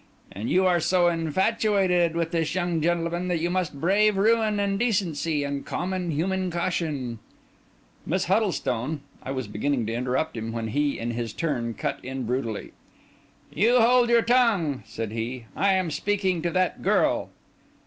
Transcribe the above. And you are so infatuated with this young gentleman that you must brave ruin, and decency, and common human caution—" "Miss Huddlestone—" I was beginning to interrupt him, when he, in his turn, cut in brutally— "You hold your tongue," said he; "I am speaking to that girl."